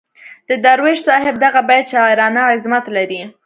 د درویش صاحب دغه بیت شاعرانه عظمت لري.